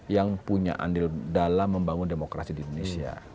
yang punya andil dalam membangun demokrasi di indonesia